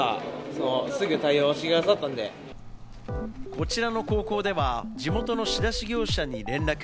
こちらの高校では、地元の仕出し業者に連絡。